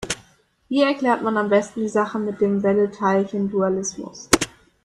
Wie erklärt man am besten die Sache mit dem Welle-Teilchen-Dualismus?